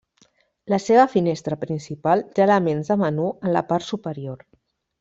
La seva finestra principal té elements de menú en la part superior.